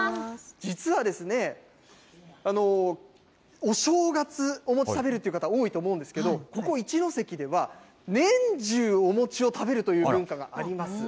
実はですね、お正月、お餅食べるという方、多いと思うんですけれども、ここ一関では、年中お餅を食べるという文化があります。